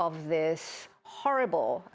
apakah itu sebuah sifat